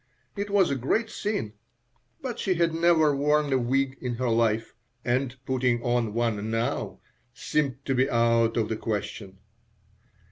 It was a great sin, but she had never worn a wig in her life, and putting on one now seemed to be out of the question.